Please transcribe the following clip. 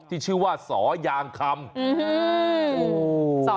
ที่ชื่อว่าสอยางคำ